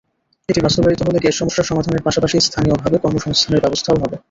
এটি বাস্তবায়িত হলে গ্যাস সমস্যার সমাধানের পাশাপাশি স্থানীয়ভাবে কর্মসংস্থানের ব্যবস্থাও হবে।